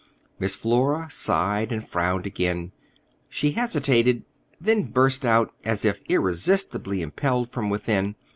Miss Flora sighed and frowned again. She hesitated, then burst out, as if irresistibly impelled from within.